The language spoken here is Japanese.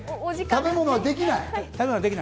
食べ物できない？